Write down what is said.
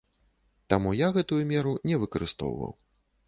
Таму я гэтую меру не выкарыстоўваў.